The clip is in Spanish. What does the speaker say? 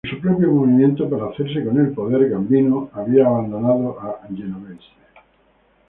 En su propio movimiento para hacerse con el poder, Gambino había abandonado a Genovese.